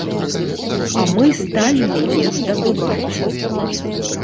А мы сталі яе здабываць.